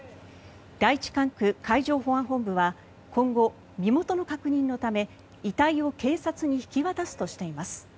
第一管区海上保安本部は今後、身元の確認のため遺体を警察に引き渡すとしています。